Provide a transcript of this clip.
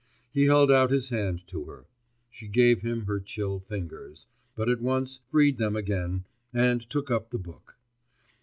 He held out his hand to her; she gave him her chill fingers, but at once freed them again, and took up the book.